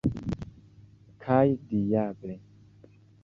Kaj diable!